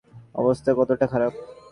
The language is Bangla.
অবস্থা কতটা খারাপ।